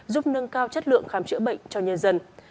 giúp nâng cao chất lượng khám chữa bệnh cho nhân dân